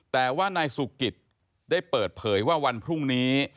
แต่ว่านายสุกิตได้เปิดเผยว่าวันพรุ่งนี้